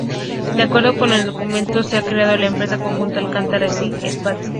De acuerdo con el documento se ha creado la empresa conjunta Alcántara Cyclone Space.